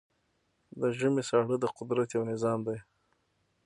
د ژمی ساړه د قدرت یو نظام دی.